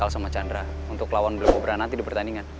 lu kalah cepet